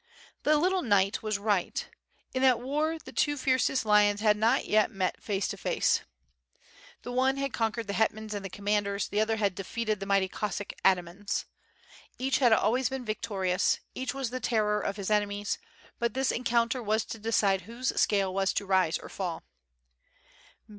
The little knight was right, in that war the two fiercest lions had not yet met face to face. The one had conquered the hetmans and the commanders; the other had defeated the mighty Cossack atamans. Each had always been vic torious, each was the terror of his enemies; but this en counter was to decide whose scale was to rise or fall.